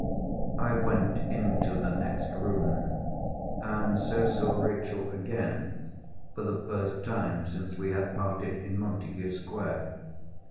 I went into the next room, and so saw Rachel again for the first time since we had parted in Montagu Square.